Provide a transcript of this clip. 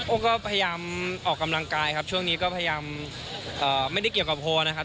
ก็พยายามออกกำลังกายครับช่วงนี้ก็พยายามไม่ได้เกี่ยวกับโพลนะครับ